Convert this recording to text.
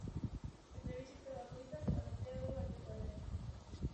Etxebizitza bakoitzak baratzea du atzeko aldean.